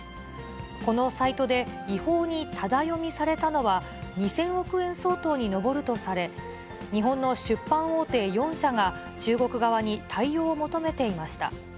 このサイトで違法にただ読みされたのは、２０００億円相当に上るとされ、日本の出版大手４社が、中国側に対応を求めていました。